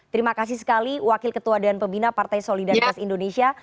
terima kasih sekali wakil ketua dan pembina partai solidaritas indonesia